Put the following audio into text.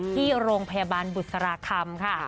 ที่โรงพยาบาลบุษราคำค่ะ